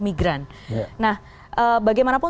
migran nah bagaimanapun